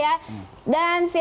thank you banget ya